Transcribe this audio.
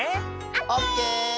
オッケー！